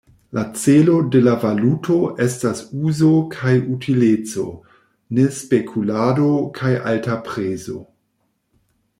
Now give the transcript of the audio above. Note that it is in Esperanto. La celo de la valuto estas uzo kaj utileco, ne spekulado kaj alta prezo.